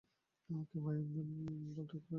আমাকে আইভান বলে ডাকতে পারেন।